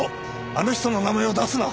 あの人の名前を出すな！